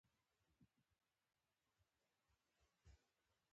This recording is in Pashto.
آیا او په پوره تدبیر سره نه وي؟